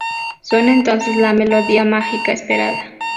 Suena entonces la melodía mágica esperada.